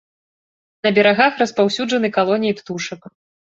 На берагах распаўсюджаны калоніі птушак.